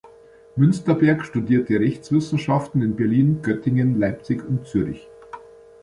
Münsterberg studierte Rechtswissenschaften in Berlin, Göttingen, Leipzig und Zürich.